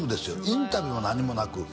インタビューも何もなく